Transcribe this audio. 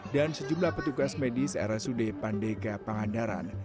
dan sejumlah petugas medis rsud pandega pangandaran